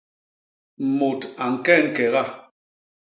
Mut a ñke ñkega.